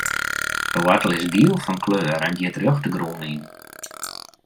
De woartel is giel fan kleur en giet rjocht de grûn yn.